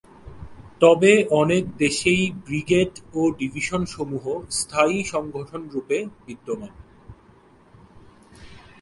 তবে অনেক দেশেই ব্রিগেড ও ডিভিশন সমূহ স্থায়ী সংগঠন রূপে বিদ্যমান।